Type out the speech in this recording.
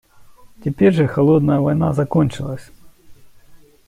Теперь же «холодная война» закончилась.